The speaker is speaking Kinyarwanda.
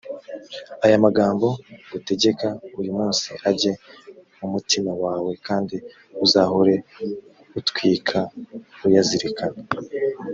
aya magambo ngutegeka uyu munsi ajye mumutima wawe kandi uzahore itwka uyazirikana